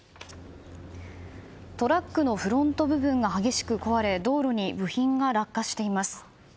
トラックのフロント部分が激しく壊れ道路に部品が落下しています。